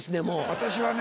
私はね